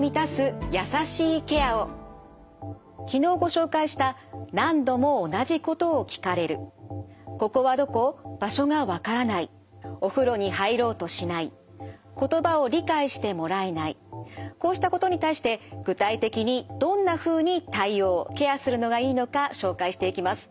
昨日ご紹介したこうしたことに対して具体的にどんなふうに対応ケアするのがいいのか紹介していきます。